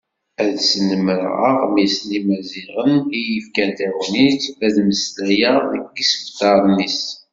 Ad snemreɣ Aɣmis n Yimaziɣen iyi-yefkan tagnit, ad d-mmeslayeɣ deg yisebtaren-is.